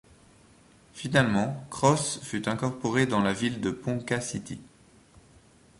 Finalement Cross fut incorporée dans la ville de Ponca City.